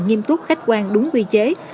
nghiêm túc khách quan đúng quy chế